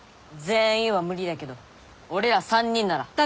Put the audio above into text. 全員は無理だけど俺ら３人なら。